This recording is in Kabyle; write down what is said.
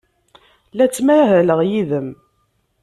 La ttmahaleɣ yid-m.